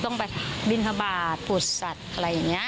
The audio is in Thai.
ต้องไปบินทบาทผุดสัตว์อะไรอย่างนี้